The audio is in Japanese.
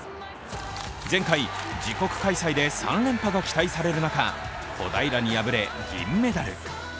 前回、自国開催で３連覇が期待される中、小平に敗れ、銀メダル。